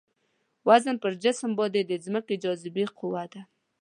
وزن پر جسم باندې د ځمکې د جاذبې قوه ده.